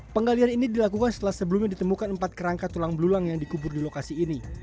penggalian ini dilakukan setelah sebelumnya ditemukan empat kerangka tulang belulang yang dikubur di lokasi ini